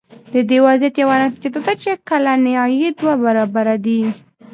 د دې وضعیت یوه نتیجه دا ده چې کلنی عاید دوه برابره دی.